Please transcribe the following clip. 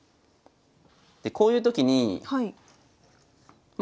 でこういうときにまあ